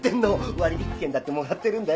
割引券だってもらってるんだよ。